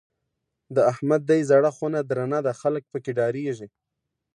د احمد دی زړه خونه درنه ده؛ خلګ په کې ډارېږي.